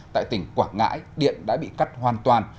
tại tỉnh quảng ngãi điện đã bị cắt hoàn toàn